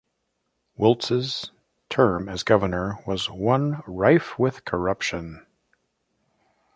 Wiltz's term as governor was one rife with corruption.